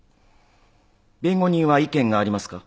弁護人は意見がありますか？